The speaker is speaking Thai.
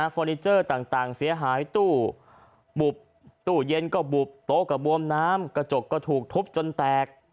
นิเจอร์ต่างเสียหายตู้บุบตู้เย็นก็บุบโต๊ะก็บวมน้ำกระจกก็ถูกทุบจนแตก